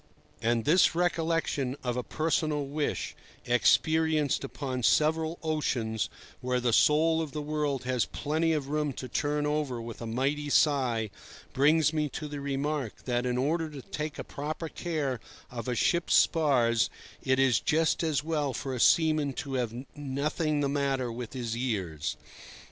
And this recollection of a personal wish, experienced upon several oceans, where the soul of the world has plenty of room to turn over with a mighty sigh, brings me to the remark that in order to take a proper care of a ship's spars it is just as well for a seaman to have nothing the matter with his ears.